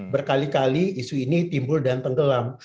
berkali kali isu ini timbul dan tenggelam